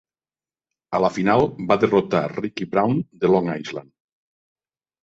A la final, va derrotar Ricky Brown, de Long Island.